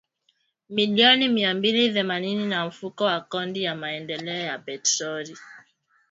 milioni mia mbili themanini kwa Mfuko wa Kodi ya Maendeleo ya Petroli